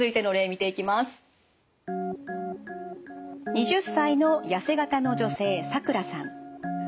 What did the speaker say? ２０歳の痩せ形の女性サクラさん。